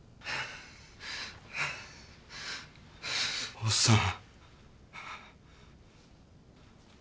おっさん。